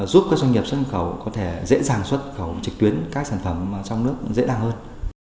giúp các doanh nghiệp xuất nhập khẩu có thể dễ dàng xuất khẩu trực tuyến các sản phẩm trong nước dễ dàng hơn